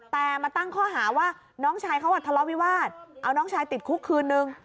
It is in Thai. แต่มาตั้งข้อหาว่าน้องชายเขาทะเลาะวิวาสเอาน้องชายติดคุกคืนนึง